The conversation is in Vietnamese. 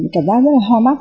cảm giác rất là hò mắt